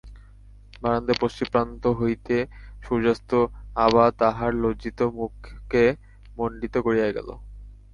বারান্দায় পশ্চিম-প্রান্ত হইতে সূর্যাস্ত-আভা তাহার লজ্জিত মুখকে মণ্ডিত করিয়া গেল।